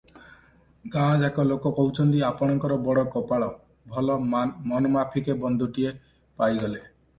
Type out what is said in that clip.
ଗାଁଯାକ ଲୋକ କହୁଛନ୍ତି, ଆପଣଙ୍କର ବଡ଼ କପାଳ, ଭଲ ମନମାଫିକେ ବନ୍ଧୁଟିଏ ପାଇଗଲେ ।